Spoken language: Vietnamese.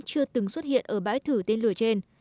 chưa từng xuất hiện ở bãi thử tên lửa trên